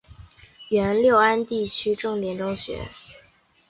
原六安地区重点中学。